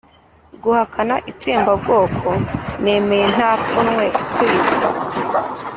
guhakana itsembabwoko, nemeye nta pfunwe kwitwa